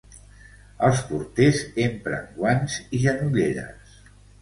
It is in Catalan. Els porters empren guants i genolleres.